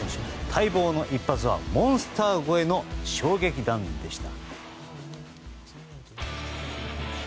待望の一発はモンスター越えの衝撃弾でした。